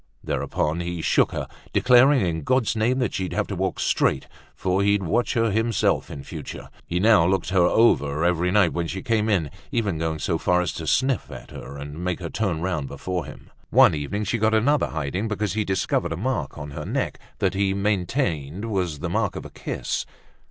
Thereupon he shook her, declaring in God's name that she'd have to walk straight, for he'd watch her himself in future. He now looked her over every night when she came in, even going so far as to sniff at her and make her turn round before him. One evening she got another hiding because he discovered a mark on her neck that he maintained was the mark of a kiss.